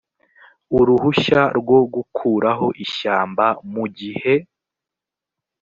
uruhushya rwo gukuraho ishyamba mu gihe